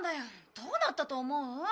どうなったと思う？